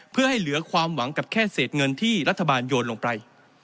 เพื่อให้เหลือความหวังกับแค่เศษเงินที่รัฐบาลโยนลงไป